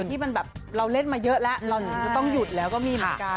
ที่มันแบบเราเล่นมาเยอะแล้วเราถึงจะต้องหยุดแล้วก็มีเหมือนกัน